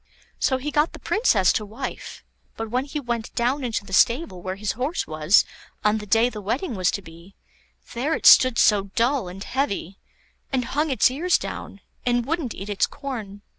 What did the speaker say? So he got the Princess to wife; but when he went down into the stable where his horse was on the day the wedding was to be, there it stood so dull and heavy, and hung its ears down, and wouldn't eat its corn.